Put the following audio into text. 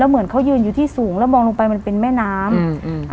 เหมือนเขายืนอยู่ที่สูงแล้วมองลงไปมันเป็นแม่น้ำอืม